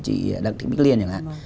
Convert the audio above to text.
chị đặng thị bích liên chẳng hạn